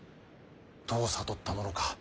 どう悟ったものか